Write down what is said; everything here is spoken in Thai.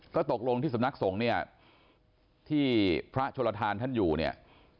ก็ตกลงที่สำนักสงฆ์เนี่ยที่พระชนลทานท่านอยู่เนี่ย